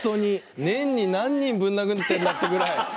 年に何人ぶん殴ってんだってぐらい。